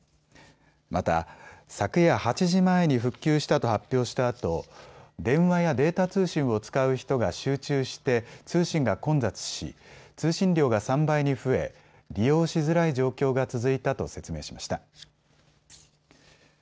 また、昨夜８時前に復旧したと発表したあと電話やデータ通信を使う人が集中して通信が混雑し通信量が３倍に増え利用しづらい状況が続いたと説明しました。